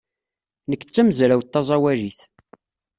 Nekk d tamezrawt taẓawalit.